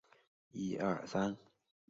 中华民国时期仍沿袭清代所置二十旗。